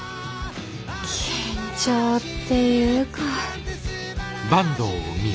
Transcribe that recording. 緊張っていうか。